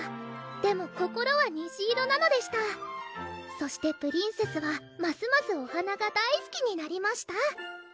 「でも心は虹色なのでした」「そしてプリンセスはますますお花が大好きになりました」